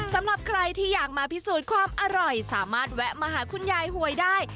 สำหรับใครที่อยากมาพิสูจน์ความอร่อยสามารถแวะมาหาคุณยายหวยได้